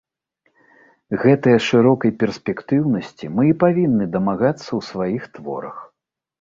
Гэтае шырокай перспектыўнасці мы і павінны дамагацца ў сваіх творах.